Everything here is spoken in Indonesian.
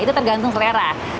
itu tergantung selera